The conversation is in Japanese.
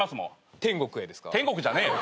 天国じゃねえよ。